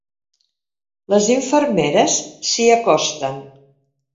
Les infermeres s'hi acosten.